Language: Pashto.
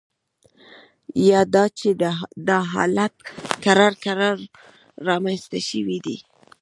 یا دا چې دا حالت کرار کرار رامینځته شوی دی